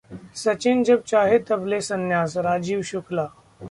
सचिन जब चाहें तब लें संन्यास: राजीव शुक्ला